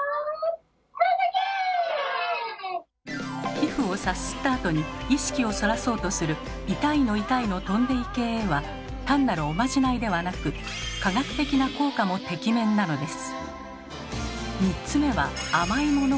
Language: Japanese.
皮膚をさすったあとに意識をそらそうとする「痛いの痛いの飛んでいけ」は単なるおまじないではなく科学的な効果もてきめんなのです。